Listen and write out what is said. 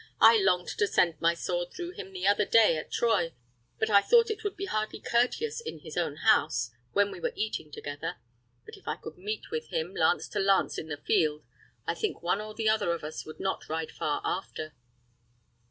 "I longed to send my sword through him the other day at Troyes; but I thought it would be hardly courteous in his own house, when we were eating together. But if I could meet with him, lance to lance, in the field, I think one or the other of us would not ride far after."